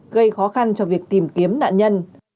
gây khó khăn cho việc tìm kiếm nạn nhân